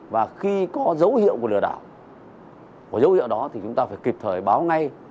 và khi có dấu hiệu của lửa đảo dấu hiệu đó thì chúng ta phải kịp thời báo ngay